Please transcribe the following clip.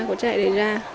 của trại để ra